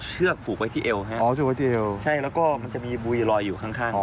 ใช่แล้วก็มันจะมีบุยลอยอยู่ข้าง